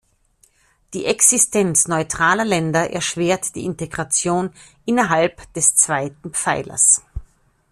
Die Existenz neutraler Länder erschwert die Integration innerhalb des zweiten Pfeilers.